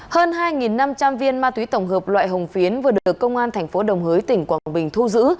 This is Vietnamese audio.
hơn hai năm trăm linh viên ma túy tổng hợp loại hồng phiến vừa được công an thành phố đồng hới tỉnh quảng bình thu giữ